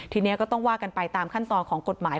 ทีนี้ก็ต้องว่ากันไปตามขั้นตอนของกฎหมาย